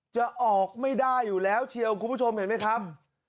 จะออกไม่ได้อยู่แล้วเชียวคุณผู้ชมเห็นไหมครับ